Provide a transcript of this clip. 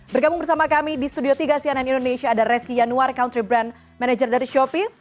bergabung bersama kami di studio tiga cnn indonesia ada reski yanuar country brand manager dari shopee